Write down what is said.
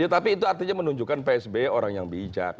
tapi itu artinya menunjukkan pak sby orang yang bijak